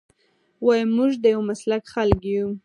ويم موږ د يو مسلک خلک يو.